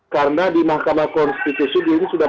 karena di mahkamah konstitusi ini sudah